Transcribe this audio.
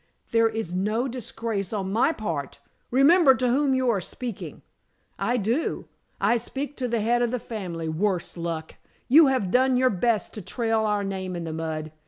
"There is no disgrace on my part. Remember to whom you are speaking." "I do. I speak to the head of the family, worse luck! You have done your best to trail our name in the mud.